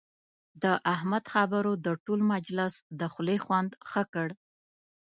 د احمد خبرو د ټول مجلس د خولې خوند ښه کړ.